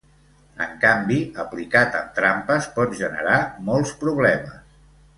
En canvi, aplicat amb trampes, pot generar molts problemes.